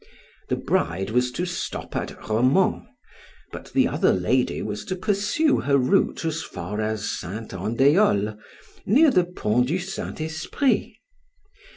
The bride was to stop at Romans, but the other lady was to pursue her route as far as Saint Andiol, near the bridge du St. Esprit.